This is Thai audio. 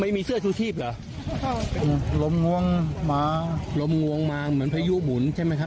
ไม่มีเสื้อชูชีพเหรอครับอืมลมงวงมาลมงวงมาเหมือนพายุบุ๋นใช่ไหมครับ